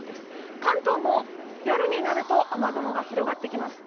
関東も夜になると雨雲が広がってきます。